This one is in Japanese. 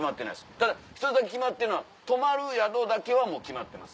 ただ１つだけ決まってんのは泊まる宿だけはもう決まってます。